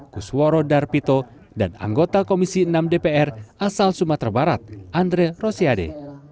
kusworo darpito dan anggota komisi enam dpr asal sumatera barat andre rosiade